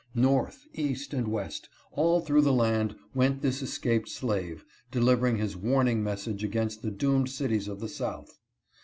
North, East, and West, all through the land went this escaped slave, delivering his warning message against the doomed cities of the South.